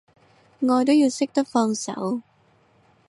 愛都要識得放手